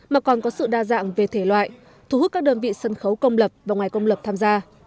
mà còn có sự đa dạng về thể loại thu hút các đơn vị sân khấu công lập và ngoài công lập tham gia